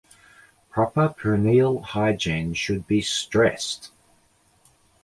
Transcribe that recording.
Proper perineal hygiene should be stressed.